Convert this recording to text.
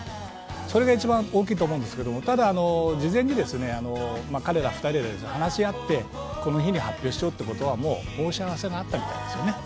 それが一番大きいと思うんですが事前に彼ら２人は話し合ってこの日に発表しようってことはもう申し合わせがあったみたいですね。